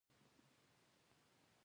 هغوی د نجونو د حق کچه ټیټوله.